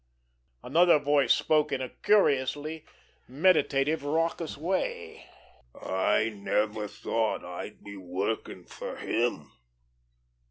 Another voice spoke in a curiously meditative, raucous way: "I never thought I'd be workin' fer him.